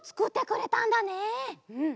うん。